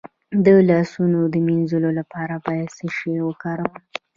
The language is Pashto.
د لاسونو د مینځلو لپاره باید څه شی وکاروم؟